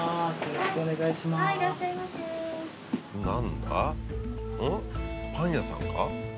パン屋さんか？